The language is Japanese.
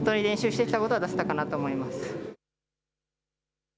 練習してきたことは出せたかなと思います。